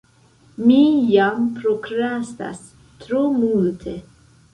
Mi jam prokrastas tro multe